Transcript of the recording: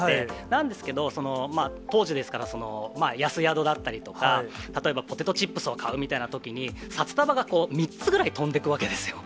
なんですけど、当時ですから、安宿だったりとか、例えばポテトチップスを買うみたいなときに、札束が３つぐらい飛んでくわけですよ。